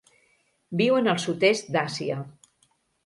Viuen al sud-est d'Àsia.